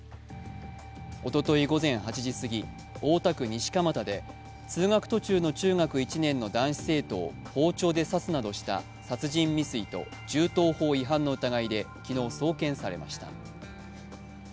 おととい午前８時過ぎ、大田区西蒲田で、通学途中の中学１年の男子生徒を包丁で刺すなどした殺人未遂と銃刀法違反の疑いで昨日送検されました。